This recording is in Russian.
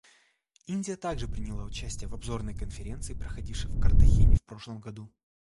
Индия также приняла участие в обзорной Конференции, проходившей в Картахене в прошлом году.